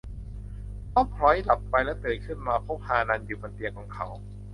เขาผล็อยหลับไปและตื่นขึ้นมาพบฮานันอยู่บนเตียงของเขา